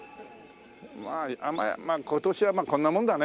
まああんまり今年はこんなもんだね。